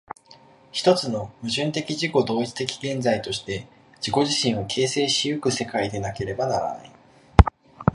一つの矛盾的自己同一的現在として自己自身を形成し行く世界でなければならない。